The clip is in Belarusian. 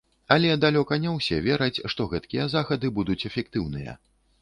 Але далёка не ўсе вераць, што гэткія захады будуць эфектыўныя.